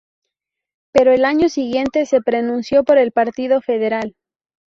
Pero al año siguiente se pronunció por el partido federal.